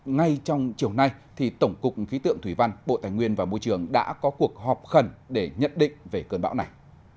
ngay trong chiều nay tổng cục khí tượng thủy văn bộ tài nguyên và môi trường đã có cuộc họp khẩn để nhận định về cơn bão này